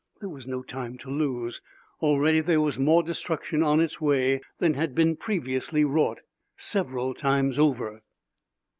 There was no time to lose. Already there was more destruction on its way than had been previously wrought several times over.